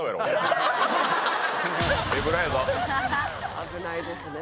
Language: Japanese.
危ないですね。